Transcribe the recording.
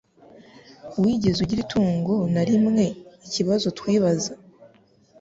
Wigeze ugira itungo narimweikibazo twibaza